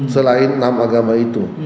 selain enam agama itu